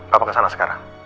papa kesana sekarang